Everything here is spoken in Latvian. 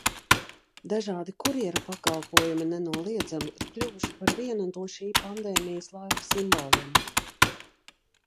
Dažādi kurjeru pakalpojumi nenoliedzami ir kļuvuši par vienu no šī pandēmijas laika simboliem....